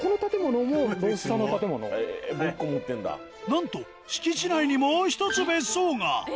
なんと敷地内にもう１つ別荘が！